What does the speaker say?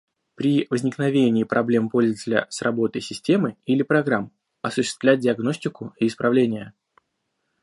При возникновении проблем пользователя с работой системы или программ, осуществлять диагностику и исправления